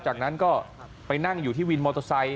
จากนั้นก็ไปนั่งอยู่ที่วินมอเตอร์ไซค